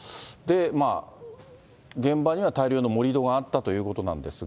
現場には大量の盛り土があったということなんですが。